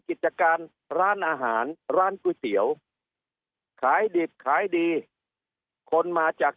กิจการร้านอาหารร้านก๋วยเตี๋ยวขายดิบขายดีคนมาจาก